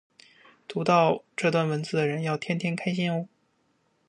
读到这段文字的人要天天开心哦